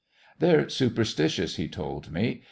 "They're superstitious," he told me.